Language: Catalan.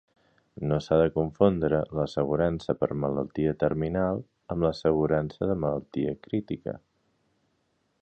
No s'ha de confondre l'assegurança per malaltia terminal amb l'assegurança de malaltia crítica.